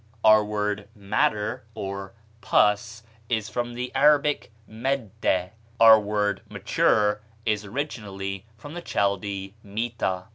Our word matter, or pus, is from the Arabic madda; our word mature is originally from the Chaldee mita.